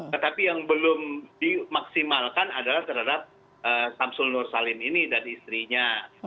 tetapi yang belum dimaksimalkan adalah terhadap samsul nur salin ini dan istrinya